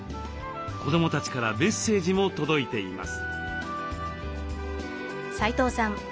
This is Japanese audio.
子どもたちからメッセージも届いています。